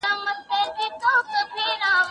د توکو کمښت په بازار کي قیمتونه لوړوي.